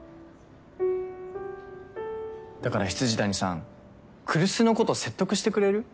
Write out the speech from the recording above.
だから未谷さん来栖のこと説得してくれる？